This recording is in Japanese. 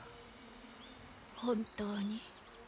本当に。